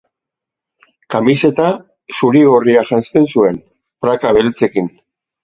Kamiseta zuri-gorria janzten zuen praka beltzekin.